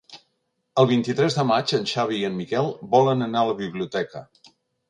El vint-i-tres de maig en Xavi i en Miquel volen anar a la biblioteca.